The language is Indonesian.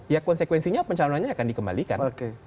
ya konsekuensinya pencalonannya akan dikembalikan